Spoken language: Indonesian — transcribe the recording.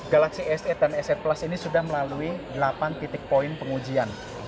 galaxy s delapan dan sm plus ini sudah melalui delapan titik poin pengujian